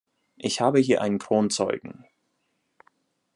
Ich habe hier einen Kronzeugen.